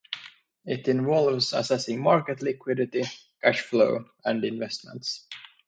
It involves assessing market liquidity, cash flow, and investments.